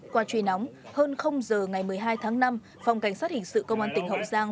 qua truy nóng hơn giờ ngày một mươi hai tháng năm phòng cảnh sát hình sự công an tỉnh hậu giang